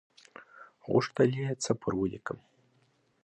غوښتل یې څه پر ولیکم.